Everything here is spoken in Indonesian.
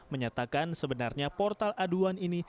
menyatakan sebenarnya portal aduan ini